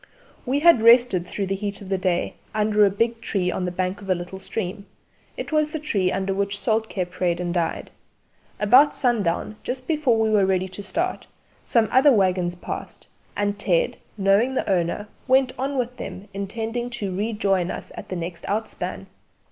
We had rested through the heat of the day under a big tree on the bank of a little stream; it was the tree under which Soltké prayed and died. About sundown, just before we were ready to start, some other waggons passed, and Ted, knowing the owner, went on with him intending to rejoin us at the next outspan.